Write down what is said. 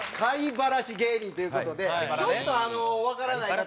バラシ芸人という事でちょっとあのわからない方。